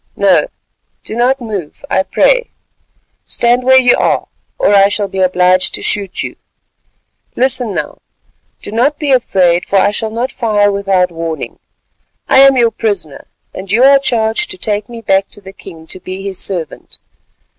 "No, do not move, I pray. Stand where you are, or I shall be obliged to shoot you. Listen now: do not be afraid for I shall not fire without warning. I am your prisoner, and you are charged to take me back to the king to be his servant.